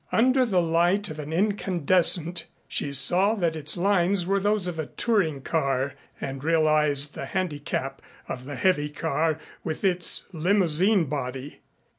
Under the light of an incandescent she saw that its lines were those of a touring car and realized the handicap of the heavy car with its limousine body.